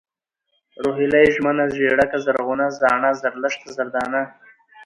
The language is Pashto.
روهيلۍ ، ژمنه ، ژېړکه ، زرغونه ، زاڼه ، زرلښته ، زردانه